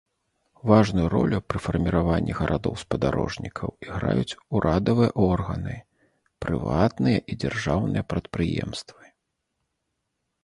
Важную ролю пры фарміраванні гарадоў-спадарожнікаў іграюць урадавыя органы, прыватныя і дзяржаўныя прадпрыемствы.